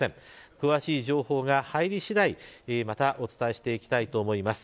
詳しい情報が入りしだいまたお伝えしていきたいと思います。